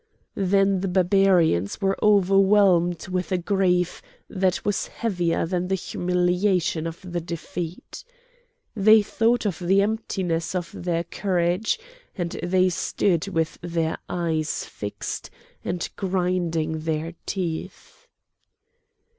Then the Barbarians were overwhelmed with a grief that was heavier than the humiliation of the defeat. They thought of the emptiness of their courage, and they stood with their eyes fixed and grinding their teeth.